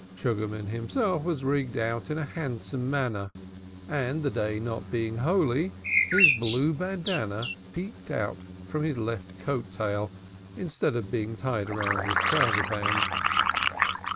Sugarman himself was rigged out in a handsome manner, and the day not being holy, his blue bandanna peeped out from his left coat tail, instead of being tied round his trouser band.